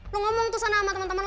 lo ngomong tuh sama temen temen lo